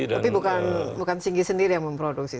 tapi bukan singgi sendiri yang memproduksi